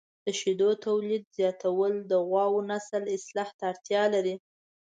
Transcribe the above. د شیدو تولید زیاتول د غواوو نسل اصلاح ته اړتیا لري.